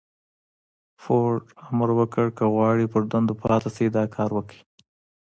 فورډ امر وکړ که غواړئ پر دندو پاتې شئ دا کار وکړئ.